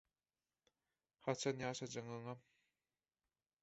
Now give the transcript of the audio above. haçan ýaşajagyňam